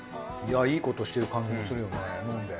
いいことしてる感じもするよね飲んで。